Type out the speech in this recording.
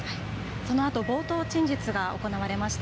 そのあと冒頭陳述が行われました。